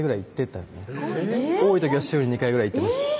多い時は多い時は週に２回ぐらい行ってました